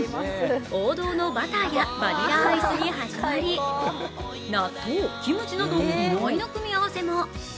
王道のバターやバニラアイスに始まり、納豆、キムチなど意外な組み合わせも。